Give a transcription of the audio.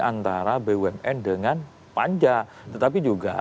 antara bumn dengan panja tetapi juga